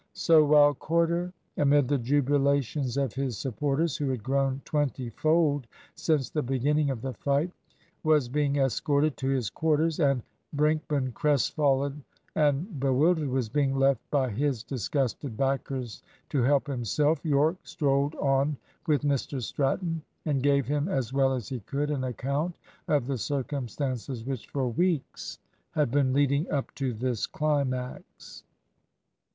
So while Corder, amid the jubilations of his supporters, who had grown twenty fold since the beginning of the fight, was being escorted to his quarters, and Brinkman, crestfallen and bewildered, was being left by his disgusted backers to help himself, Yorke strolled on with Mr Stratton, and gave him, as well as he could, an account of the circumstances which for weeks had been leading up to this climax.